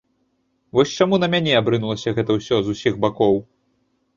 Вось чаму на мяне абрынулася гэта ўсё з усіх бакоў.